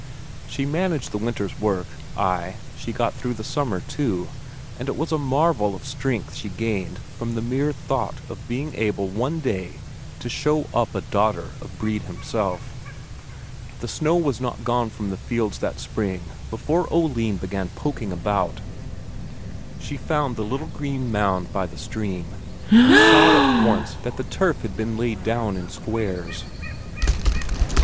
She managed the winter's work; ay, she got through the summer, too, and it was a marvel of strength she gained from the mere thought of being able one day to show up a daughter of Brede himself. The snow was not gone from the fields that spring before Oline began poking about. She found the little green mound by the stream, and saw at once that the turf had been laid down in squares.